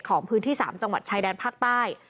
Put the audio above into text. ของพื้นที่๓จังหวัดชายแดนภาคใต้